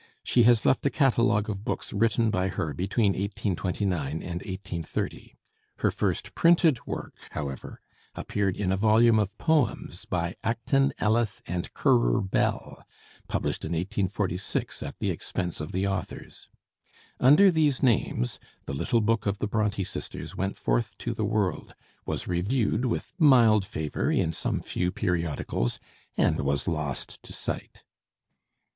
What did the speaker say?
She has left a catalogue of books written by her between 1829 and 1830. Her first printed work however appeared in a volume of 'Poems' by Acton, Ellis, and Currer Bell, published in 1846 at the expense of the authors. Under these names the little book of the Bronté sisters went forth to the world, was reviewed with mild favor in some few periodicals, and was lost to sight.